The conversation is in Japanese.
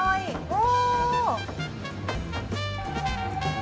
お！